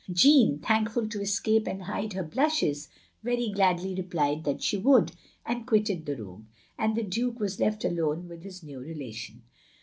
Jeanne, thankful to escape and hide her blushes, very gladly replied that she would, and quitted the room; and the Duke was left alone with his new relation.